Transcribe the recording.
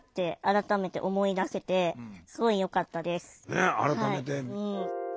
ねえ改めて。